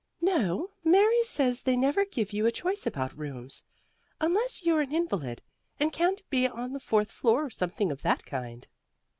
"No, Mary says they never give you a choice about rooms, unless you're an invalid and can't be on the fourth floor or something of that kind."